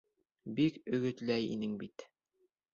Бик өгөтләй инең бит!